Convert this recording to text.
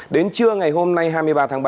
đến trưa ngày hôm nay hai mươi ba tháng ba